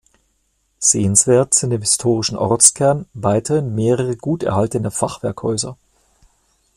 Sehenswert sind im historischen Ortskern weiterhin mehrere gut erhaltene Fachwerkhäuser.